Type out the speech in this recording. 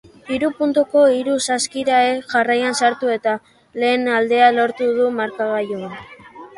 Hiru puntuko hiru saskirae jarraian sartu eta lehen aldea lortu dute markagailuan.